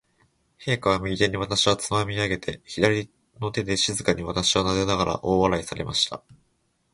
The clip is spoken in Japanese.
陛下は、右手に私をつまみ上げて、左の手で静かに私をなでながら、大笑いされました。